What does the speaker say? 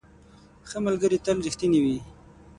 ښه ملګري تل رښتیني وي.